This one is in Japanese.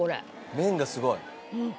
麺がすごい？